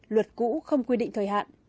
luật cũ không quy định thời hạn